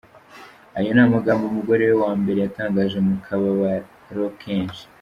Ayo ni amagambo umugore we wa mbere yatangaje mu kababaro kenshi.